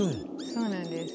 そうなんです。